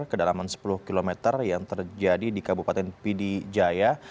kedalaman sepuluh km yang terjadi di kabupaten pidi jaya